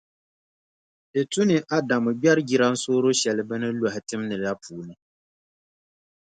Di tu ni Adamu gbɛri jilansooro shɛli bɛ ni lɔhi tim ni la puuni.